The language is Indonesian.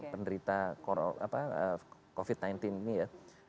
penderita covid sembilan belas ini ya